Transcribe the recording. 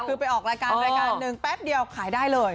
คือไปออกรายการรายการหนึ่งแป๊บเดียวขายได้เลย